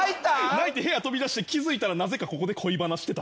泣いて部屋飛び出して気付いたらなぜかここで恋バナしてた。